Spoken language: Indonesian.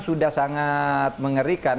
sudah sangat mengerikan